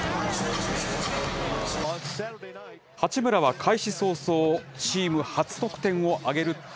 八村は開始早々、チーム初得点を挙げると。